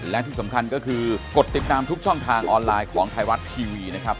และที่สำคัญก็คือกดติดตามทุกช่องทางออนไลน์ของไทยรัฐทีวีนะครับ